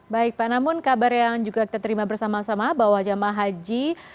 baik pak namun kabar yang juga kita terima bersama sama bahwa jemaah haji